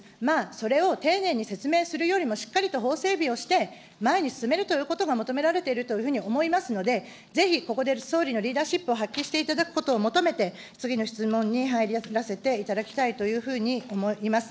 それを丁寧に説明するよりも、しっかりと法整備をして、前に進めるということが求められているというふうに思いますので、ぜひ、ここで総理のリーダーシップを発揮していただくことを求めて、次の質問に入らせていただきたいというふうに思います。